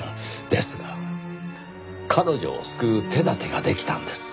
ですが彼女を救う手だてができたんです。